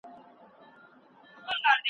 پښتو له کندهاره تر ننګرهاره بېلابېلې لهجې لري.